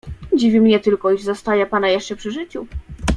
"Dziwi mnie tylko, iż zastaję pana jeszcze przy życiu."